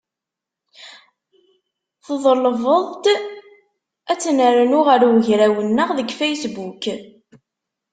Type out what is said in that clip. Teḍleb-d ad tt-nernu ɣer ugraw-nneɣ deg Facebook.